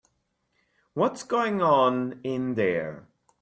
What's going on in there?